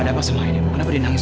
ada apa sama aida kenapa dia nangis